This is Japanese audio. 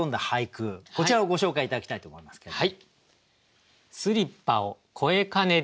こちらをご紹介頂きたいと思いますけれども。